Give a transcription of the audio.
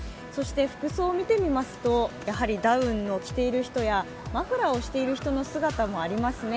服装を見てみますとやはりダウンを着ている人やマフラーをしている人の姿もありますね。